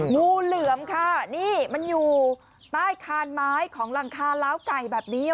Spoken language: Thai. งูเหลือมค่ะนี่มันอยู่ใต้คานไม้ของหลังคาล้าวไก่แบบนี้